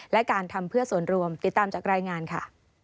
และการทำเพื่อส่วนรวมติดตามจากรายงานค่ะ